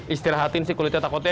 istirahatin kulitnya takutnya